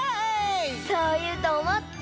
そういうとおもって。